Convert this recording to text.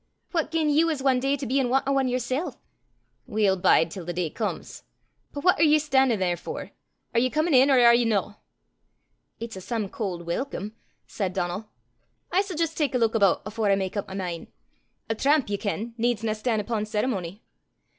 What gien ye was ae day to be in want o' ane yersel'!" "We'll bide till the day comes. But what are ye stan'in' there for? Are ye comin' in, or are ye no?" "It's a some cauld welcome!" said Donal. "I s' jist tak a luik aboot afore I mak up my min'. A tramp, ye ken, needsna stan' upo' ceremony."